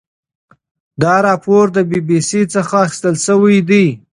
دا راپور د بي بي سي څخه اخیستل شوی دی.